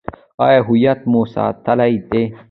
آیا هویت مو ساتلی دی؟